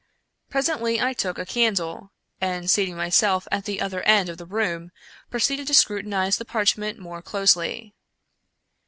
Presently I took a candle, and seating myself at the other end of the room, proceeded to scrutinize the parchment more closely.